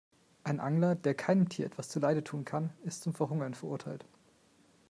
Ein Angler, der keinem Tier etwas zuleide tun kann, ist zum Verhungern verurteilt.